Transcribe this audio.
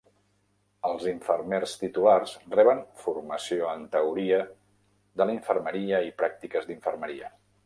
Els infermers titulats reben formació en teoria de la infermeria i pràctiques d'infermeria.